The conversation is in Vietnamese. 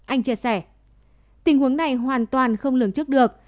anh chia sẻ tình huống này hoàn toàn không lường trước được